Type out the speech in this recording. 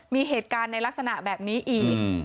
มีเหตุการณ์ในลักษณะแบบนี้อีก